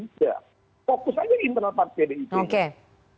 ya fokus aja internal partai pdip